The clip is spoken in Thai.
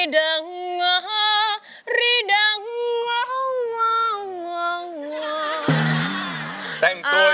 แต่งตัวอย่างนี้